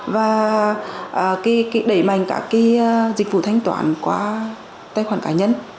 và đẩy mạnh các dịch vụ thanh toán qua tài khoản cá nhân